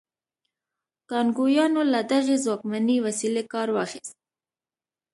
کانګویانو له دغې ځواکمنې وسیلې کار واخیست.